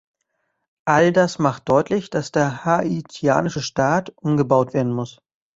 All das macht deutlich, dass der haitianische Staat umgebaut werden muss.